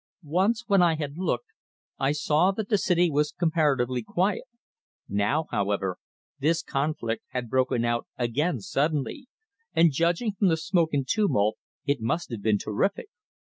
Once, when I had looked, I saw that the city was comparatively quiet; now, however, this conflict had broken out again suddenly, and judging from the smoke and tumult it must have been terrific.